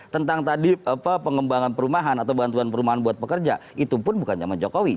tentang tadi pengembangan perumahan atau bantuan perumahan buat pekerja itu pun bukan zaman jokowi